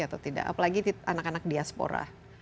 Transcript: atau tidak apalagi anak anak diaspora